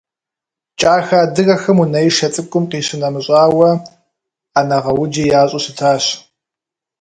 КӀахэ адыгэхэм унэишэ цӀыкӀум къищынэмыщӀауэ, Ӏэнэгъэуджи ящӀу щытащ.